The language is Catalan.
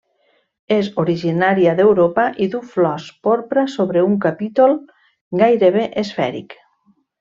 És originària d'Europa i du flors porpra sobre un capítol gairebé esfèric.